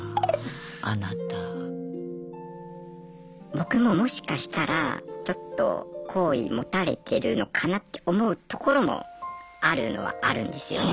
僕ももしかしたらちょっと好意持たれてるのかなって思うところもあるのはあるんですよね。